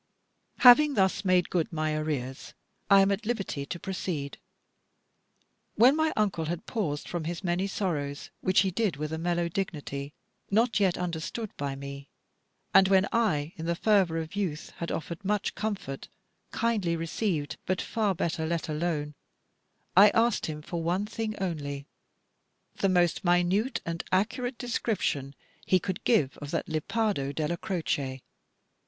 Having thus made good my arrears, I am at liberty to proceed. When my Uncle had paused from his many sorrows, which he did with a mellow dignity not yet understood by me; and when I, in the fervour of youth, had offered much comfort kindly received, but far better let alone, I asked him for one thing only: the most minute and accurate description he could give of that Lepardo Della Croce.